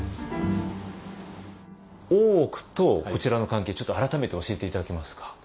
大奥とこちらの関係ちょっと改めて教えて頂けますか？